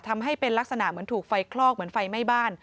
ทำให้เป็นลักษณะเหมือนถูกไฟคลอกเหมือนไฟไหม้บ้าน